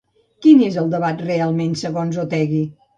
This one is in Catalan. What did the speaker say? Quin és el debat realment, segons Otegi?